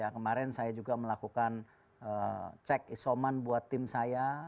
kemarin saya juga melakukan cek isoman buat tim saya